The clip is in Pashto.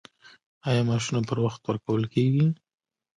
آیا معاشونه پر وخت ورکول کیږي؟